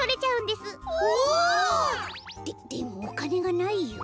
ででもおかねがないよ。